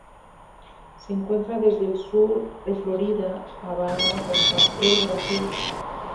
Se encuentra desde el sur de Florida y Bahamas hasta el Brasil.